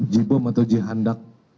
jibom atau jihandak